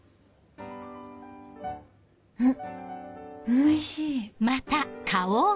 おいしい。